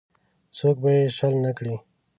څوک به یې شل نه کړي.